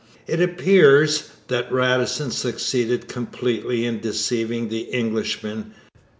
It appears that Radisson succeeded completely in deceiving the Englishmen.